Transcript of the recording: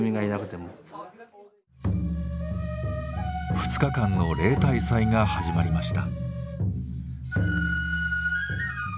２日間の例大祭が始まりました。